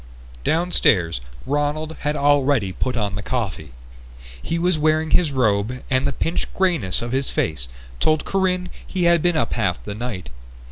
Downstairs Ronald had already put on the coffee. He was wearing his robe and the pinched greyness of his face told Corinne he had been up half the night.